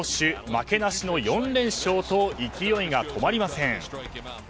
負けなしの４連勝と勢いが止まりません。